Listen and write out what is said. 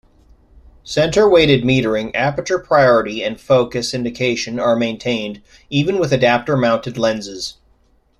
Centre-weighted metering, aperture priority and focus indication are maintained, even with adapter mounted lenses.